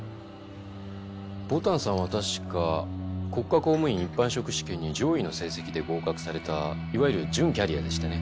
牡丹さんは確か国家公務員一般職試験に上位の成績で合格されたいわゆる準キャリアでしたね。